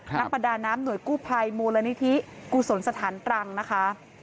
นักประดาน้ำหน่วยกู้ภัยมูลนิธิกุศลสถานตรังนะคะ